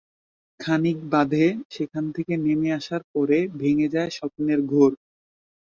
খানিক বাদে সেখান থেকে নেমে আসার পরে ভেঙে যায় স্বপ্নের ঘোর।